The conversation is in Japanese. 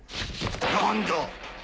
何だ？